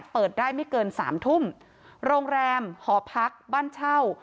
เปิดได้ไม่เกินสามทุ่มโรงแรมหอพักบ้านเช่า